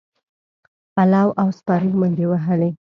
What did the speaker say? پلو او سپرو منډې وهلې.